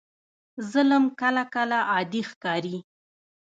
ظلم کله کله عادي ښکاري.